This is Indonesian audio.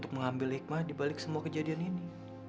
untuk mengambil hikmah dibalik semua kejadian ini